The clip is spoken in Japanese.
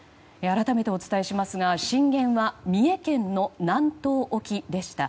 改めて、お伝えしますが震源は三重県の南東沖でした。